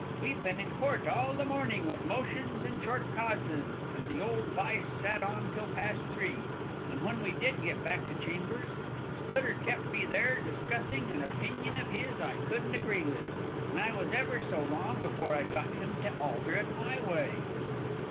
We've been in court all the morning with motions and short causes, and the old Vice sat on till past three; and when we did get back to chambers, Splitter kep' me there discussing an opinion of his I couldn't agree with, and I was ever so long before I got him to alter it my way."